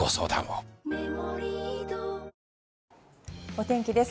お天気です。